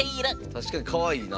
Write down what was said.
確かにかわいいな。